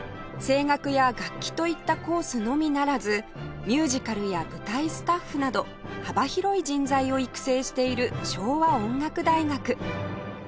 声楽や楽器といったコースのみならずミュージカルや舞台スタッフなど幅広い人材を育成している昭和音楽大学